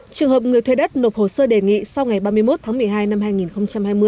trường hợp người thuê đất nộp hồ sơ đề nghị sau ngày ba mươi một tháng một mươi hai năm hai nghìn hai mươi